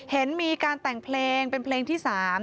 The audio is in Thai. เห็นมีการแต่งเพลงเป็นเพลงที่๓